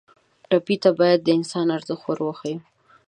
ټپي ته باید د انسان ارزښت ور وښیو.